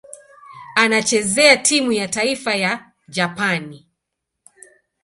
Anachezea timu ya taifa ya Japani.